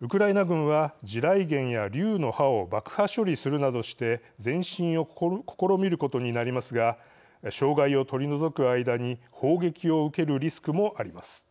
ウクライナ軍は地雷原や竜の歯を爆破処理するなどして前進を試みることになりますが障害を取り除く間に砲撃を受けるリスクもあります。